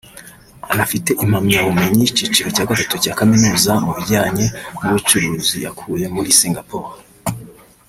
Anafite impamyabumenyi y’icyiciro cya Gatatu cya Kaminuza mu bijyanye n’ubucuruzi yakuye muri Singapore